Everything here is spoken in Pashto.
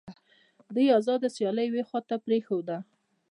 دوی آزاده سیالي یوې خواته پرېښوده